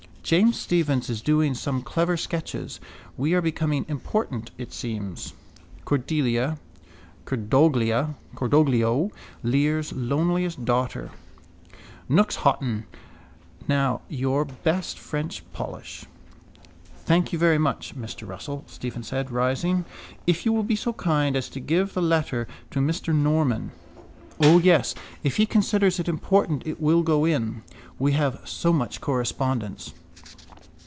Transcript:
James Stephens is doing some clever sketches. We are becoming important, it seems. Cordelia. Cordoglio. Lir's loneliest daughter. Nookshotten. Now your best French polish. —Thank you very much, Mr Russell, Stephen said, rising. If you will be so kind as to give the letter to Mr Norman... —O, yes. If he considers it important it will go in. We have so much correspondence.